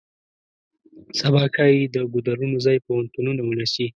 سبا ښایي د ګودرونو ځای پوهنتونونه ونیسي.